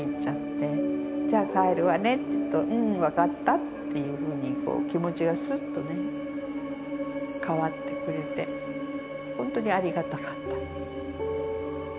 「じゃあ帰るわね」って言うと「うん分かった」っていうふうに気持ちがすっとね変わってくれて本当にありがたかった。